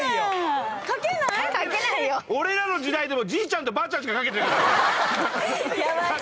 俺らの時代でもじいちゃんとばあちゃんしかかけてなかった。